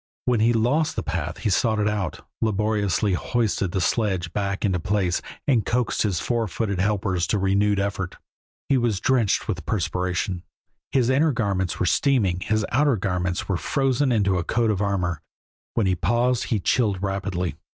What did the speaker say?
When he lost the path he sought it out, laboriously hoisted the sledge back into place, and coaxed his four footed helpers to renewed effort. He was drenched with perspiration, his inner garments were steaming, his outer ones were frozen into a coat of armor; when he paused he chilled rapidly.